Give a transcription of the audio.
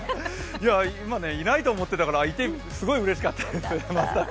今、いないと思っていたからいてすごいうれしかったです。